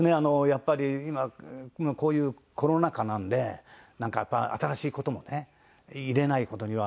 やっぱり今こういうコロナ禍なのでなんかやっぱ新しい事もね入れない事には。